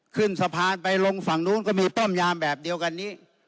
ขึ้นสะพานไปลงฝั่งนู้นก็มีป้อมยามแบบเดียวกันนี้